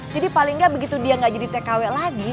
jadi paling nggak begitu dia nggak jadi tkw lagi